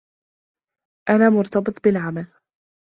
أنا مرتبط بالعمل.